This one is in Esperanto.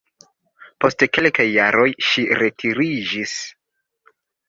Post kelkaj jaroj ŝi retiriĝis.